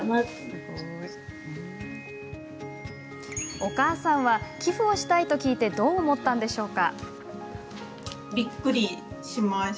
お母さんは寄付をしたいと聞いてどう思ったんでしょうか？